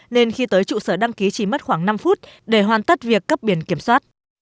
nên khi tới trụ sở đăng ký chỉ mất khoảng năm phút để hoàn tất việc cấp biển kiểm soát